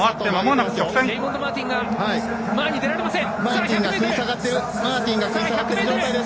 レイモンド・マーティンが前に出られません。